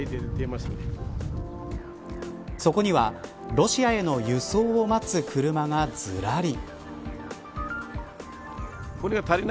そこにはロシアへの輸送を待つ車がずらり。